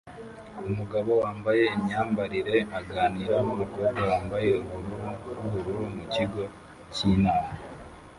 Umugabo wambaye imyambarire aganira numukobwa wambaye ubururu bwubururu mu kigo cyinama